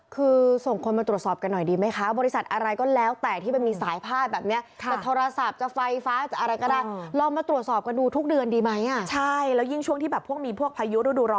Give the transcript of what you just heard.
คือส่งคนมาตรวจสอบกันหน่อยดีไหมค่ะบริษัทอะไรก็แล้วแต่ที่มันมีสายบ้านแบบเนี้ย